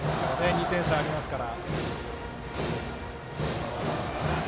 ２点差ありますから。